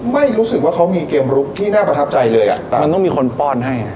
ไม่รู้สึกว่าเขามีเกมลุกที่น่าประทับใจเลยอ่ะมันต้องมีคนป้อนให้